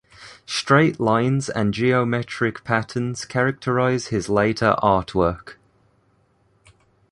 Straight lines and geometric patterns characterize his later art work.